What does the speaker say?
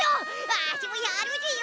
ワシもやるぜよ！